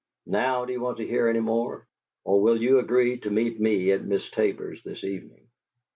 Now, do you want to hear any more, or will you agree to meet me at Miss Tabor's this evening?"